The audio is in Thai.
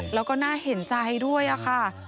แล้วก็น่าเห็นใจด้วยค่ะ